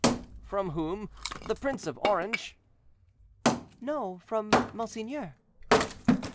"From whom—the Prince of Orange?" "No; from monseigneur."